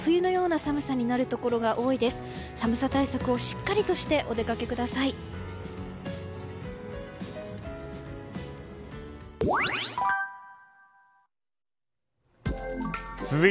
寒さ対策をしっかりしてお出かけください。